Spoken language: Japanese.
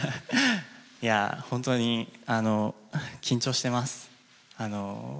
本当に、緊張してます。